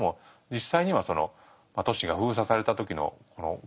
実際にはその都市が封鎖された時の苦境の中ではですね